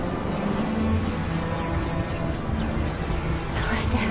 どうして